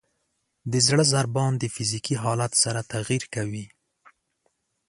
د زړه ضربان د فزیکي حالت سره تغیر کوي.